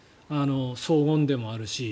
荘厳でもあるし。